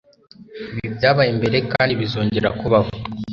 Ibi byabaye mbere kandi bizongera kubaho.